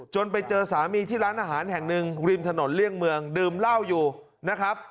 ไปเจอสามีที่ร้านอาหารแห่งหนึ่งริมถนนเลี่ยงเมืองดื่มเหล้าอยู่นะครับ